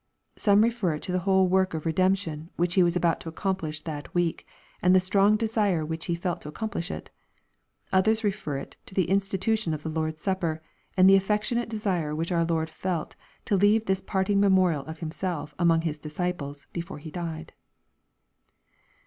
Some refer it to the whole work of redemption which He was about to accomplish that week, and the strong de sire which He felt to accomplish it — Others refer it to the institu tion of the Lord's Supper, and the affectionate desire which our Lord felt to leave this parting memorial of Himself among His disciples, before He died.